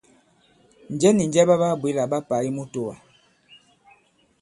Njɛ nì njɛ ɓa ɓaa-bwě là ɓa pà i mutōwà?